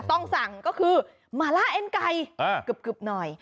ต้องสั่งก็คือหมาล่าเอ็นไก่กึบหน่อย